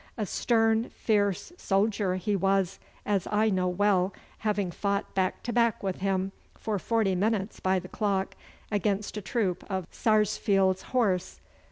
A stern, fierce soldier he was, as I know well, having fought back to back with him for forty minutes by the clock, against a troop of Sarsfield's horse.